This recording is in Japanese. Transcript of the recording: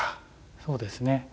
そうですね。